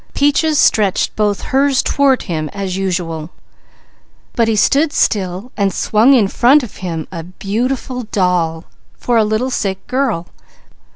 Peaches stretched both hers toward him as usual; but he stood still, swinging in front of him a beautiful doll, for a little sick girl.